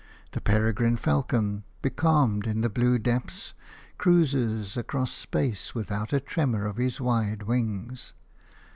The peregrine falcon, becalmed in the blue depths, cruises across space without a tremor of his wide wings.